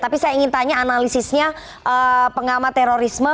tapi saya ingin tanya analisisnya pengamaterorisme